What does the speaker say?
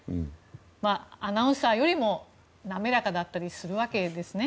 アナウンサーよりも滑らかだったりするわけですね。